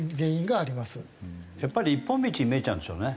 やっぱり一本道に見えちゃうんでしょうね